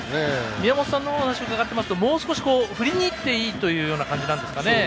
宮本さんのお話を伺っていますともう少し振りにいっていいという感じなんですかね。